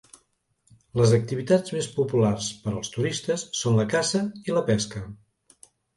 Les activitats més populars per als turistes són la caça i la pesca.